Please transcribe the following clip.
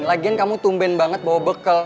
lagian kamu tumben banget bawa bekal